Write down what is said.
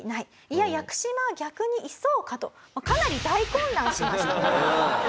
いや屋久島は逆にいそうか？とかなり大混乱しました。